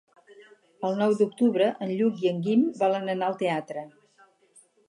El nou d'octubre en Lluc i en Guim volen anar al teatre.